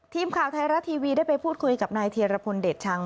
ทีมข่าวไทยรัฐทีวีได้ไปพูดคุยกับนายเทียรพลเดชชัง